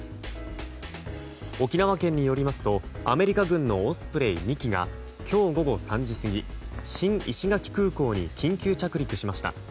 沖縄県によりますとアメリカ軍のオスプレイ２機が今日午後３時過ぎ新石垣空港に緊急着陸しました。